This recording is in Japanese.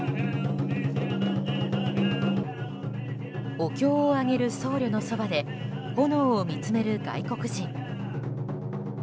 お経をあげる僧侶のそばで炎を見つめる外国人。